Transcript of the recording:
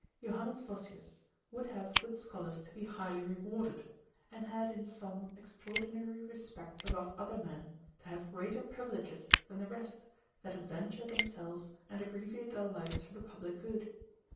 Jo. Voschius would have good scholars to be highly rewarded, and had in some extraordinary respect above other men, to have greater privileges than the rest, that adventure themselves and abbreviate their lives for the public good.